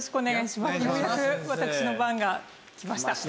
ようやく私の番が来ました。